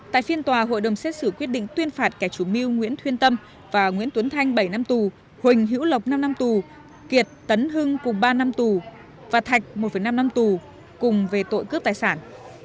tại phiên tòa hội đồng xét xử quyết định tuyên phạt kẻ chủ mưu nguyễn thuyên tâm và nguyễn tuấn thanh bảy năm tù huỳnh hữu lộc năm năm tù kiệt tấn hưng cùng ba năm tù và thạch một năm năm tù cùng về tội cướp tài sản